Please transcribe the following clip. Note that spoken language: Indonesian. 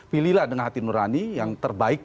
pilihlah dengan hati nurani yang terbaik